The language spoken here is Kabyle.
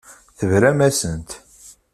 Tebram-asent.